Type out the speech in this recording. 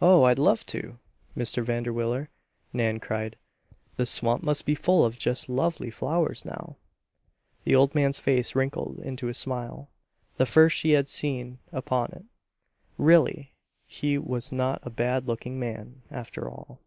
"Oh! I'd love to, Mr. Vanderwiller," Nan cried. "The swamp must be full of just lovely flowers now." The old man's face wrinkled into a smile, the first she had seen upon it. Really! He was not a bad looking man, after all.